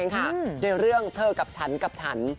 คราวนี้เรื่องเธอกับฉันกับฉัน